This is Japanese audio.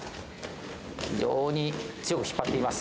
非常に強く引っ張っています。